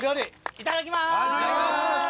いただきます！